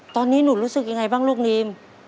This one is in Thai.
ตอนนี้หนูรู้สึกยังไงบ้างลูกรีม